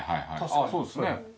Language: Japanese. ああそうですね。